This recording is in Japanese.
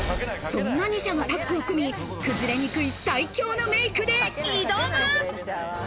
そんな２社がタッグを組み、崩れにくい最強のメイクで挑む。